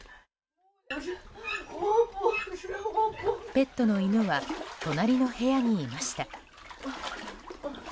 ペットの犬は隣の部屋にいました。